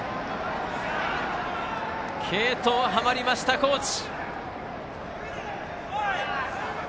継投がはまりました、高知。